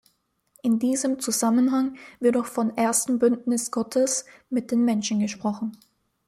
In diesem Zusammenhang wird auch vom „Ersten Bündnis Gottes“ mit den Menschen gesprochen.